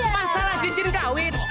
masalah cincin kawin